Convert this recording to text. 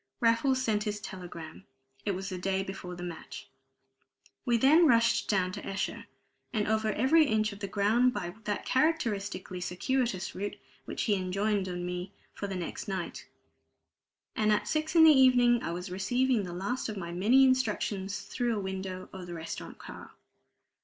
Raffles sent his telegram it was the day before the match. We then rushed down to Esher, and over every inch of the ground by that characteristically circuitous route which he enjoined on me for the next night. And at six in the evening I was receiving the last of my many instructions through a window of the restaurant car.